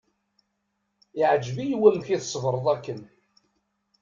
Iεǧeb-iyi wamek i tṣebreḍ akken.